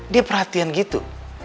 dia perhatian gitu